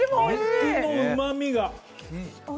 肉のうまみが。